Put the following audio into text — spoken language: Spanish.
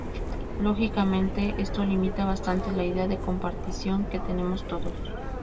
Lógicamente esto limita bastante la idea de compartición que tenemos todos.